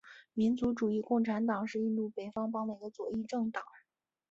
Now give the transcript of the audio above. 民族主义共产党是印度北方邦的一个左翼政党。